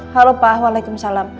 halo pa waalaikumsalam